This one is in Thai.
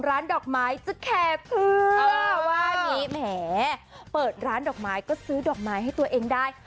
อ่านี้แหม้เปิดร้านดอกไม้ก็ซื้อดอกไม้ให้ตัวเองได้